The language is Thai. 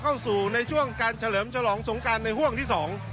เข้าสู่ในช่วงการเฉลิมฉลองสงการในห่วงที่สอง